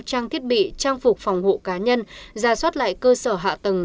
trang thiết bị trang phục phòng hộ cá nhân ra soát lại cơ sở hạ tầng